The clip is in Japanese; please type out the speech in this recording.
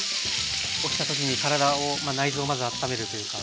起きた時に体を内臓をまずあっためるというか。